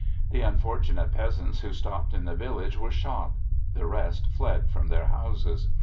The unfortunate peasants who stopped in the village were shot; the rest fled from their houses.